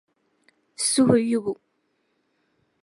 suhuyubu.